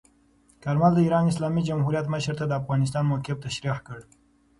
کارمل د ایران اسلامي جمهوریت مشر ته د افغانستان موقف تشریح کړ.